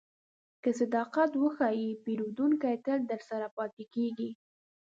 که صداقت وساتې، پیرودونکی تل درسره پاتې کېږي.